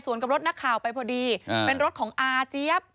ส่วนกับรถนักข่าวไปพอดีเป็นรถของอาเจี๊ยบ